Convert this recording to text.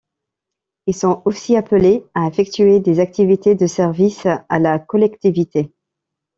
Ils sont aussi appelés à effectuer des activités de service à la collectivité.